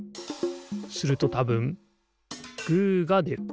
するとたぶんグーがでる。